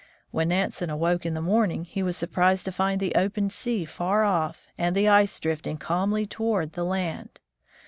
When Nansen awoke in the morning, he was surprised to find the open sea far off, and the ice drifting calmly toward the land.